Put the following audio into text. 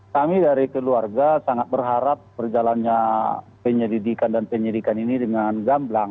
kami dari keluarga sangat berharap perjalannya penyelidikan dan penyidikan ini dengan gamblang